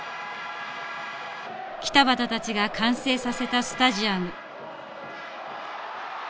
北畑たちが完成させたスタジアム。